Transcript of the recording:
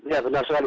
ya sebenarnya sekali